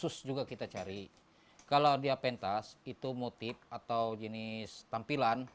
khusus juga kita cari kalau dia pentas itu motif atau jenis tampilan